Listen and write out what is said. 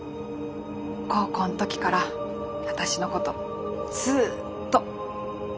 高校の時から私のことずっと。